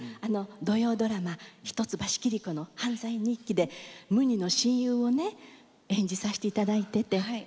土曜ドラマ「一橋桐子の犯罪日記」で無二の親友をね演じさせて頂いてて。はい。